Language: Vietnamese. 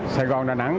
sài gòn đà nẵng